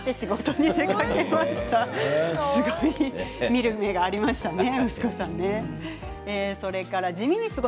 見る目がありましたね